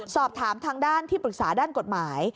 สอบถามทางด้านที่ปรึกษาด้านกฎหมาย